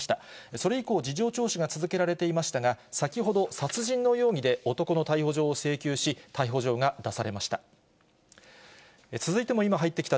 それ以降、事情聴取が続けられていましたが、先ほど、殺人の容疑で男の逮捕状を請求し、逮捕状が出されました。